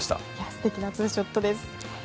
素敵なツーショットです。